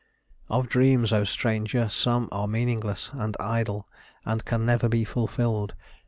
"Of dreams, O stranger, some are meaningless And idle, and can never be fulfilled.